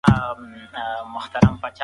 عدالت د نظام ستنه ده.